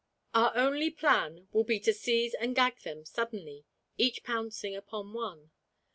Our only plan will be to seize and gag them suddenly, each pouncing upon one.